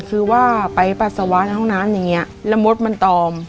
คือว่าไปปัสสาวะในห้องน้ำอย่างนี้แล้วมดมันตอม